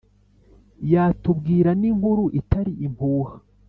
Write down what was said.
yatubwira n'inkuru itari impuha